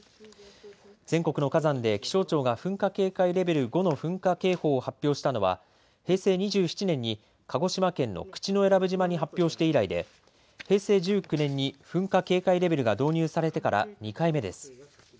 全国の火山で気象庁が噴火警戒レベル５の噴火警報を発表したのは平成２７年に鹿児島県の口永良部島に発表して以来で平成１９年に噴火警戒レベルが導入されてから２回目です。